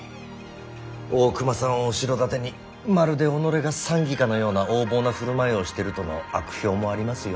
大隈さんを後ろ盾にまるで己が参議かのような横暴な振る舞いをしてるとの悪評もありますよ。